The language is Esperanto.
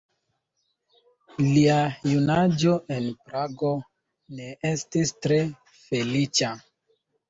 Lia junaĝo en Prago ne estis tre feliĉa.